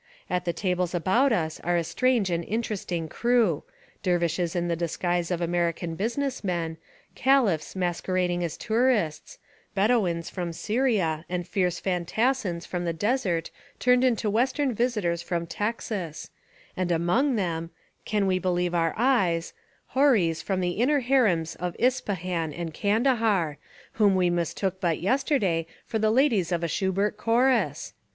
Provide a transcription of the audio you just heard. At the tables about us are a strange and interesting crew, — dervishes in the disguise of American business men, cahphs mas querading as tourists, bedouins from Syria and fierce fantassins from the desert turned into western visitors from Texas, and among them — can we believe our eyes, — houris from the inner harems of Ispahan and Candahar, whom we mistook but yesterday for the ladies of a Shubert chorus!